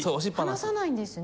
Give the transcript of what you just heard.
離さないんですね。